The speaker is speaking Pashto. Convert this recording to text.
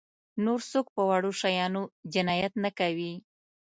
نور څوک په وړو شیانو جنایت نه کوي.